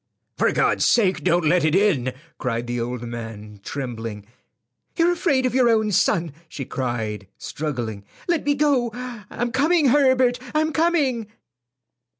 "For God's sake don't let it in," cried the old man, trembling. "You're afraid of your own son," she cried, struggling. "Let me go. I'm coming, Herbert; I'm coming."